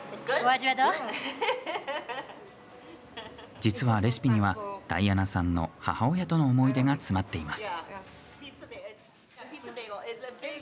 実はレシピにはダイアナさんの母親との思い出が詰まっています。